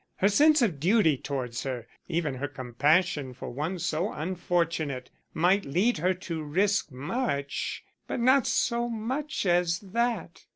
Her sense of duty towards her, even her compassion for one so unfortunate, might lead her to risk much, but not so much as that.